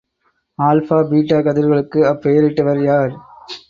Alpha, beta கதிர்களுக்கு அப்பெயரிட்டவர் யார்?